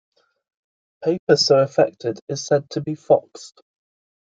Paper so affected is said to be "foxed".